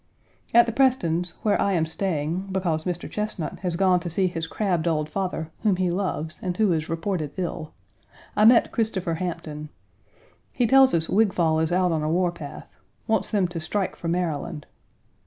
At the Prestons', where I am staying (because Mr. Chesnut has gone to see his crabbed old father, whom he loves, and who is reported ill), I met Christopher Hampton. He tells us Wigfall is out on a warpath; wants them to strike for Maryland.